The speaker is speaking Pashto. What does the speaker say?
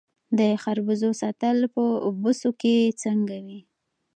د خربوزو ساتل په بوسو کې څنګه وي؟